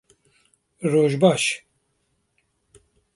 Roj baş